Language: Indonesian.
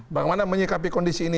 bagaimana menyikapi kondisi ini